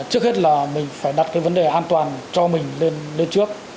trước hết là mình phải đặt cái vấn đề an toàn cho mình lên bên trước